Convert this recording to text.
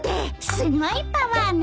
すごいパワーね。